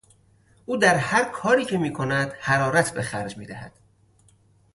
او در هر کاری که میکند حرارت به خرج میدهد.